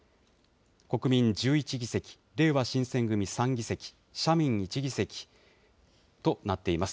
国民１１議席、れいわ新選組３議席、社民１議席となっています。